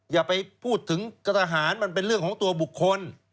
อย่าไปพูดถึงกระทหารมันเป็นเรื่องของตัวบุคคล